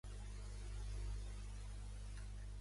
Va morir en maig del mateix any a causa d'un càncer.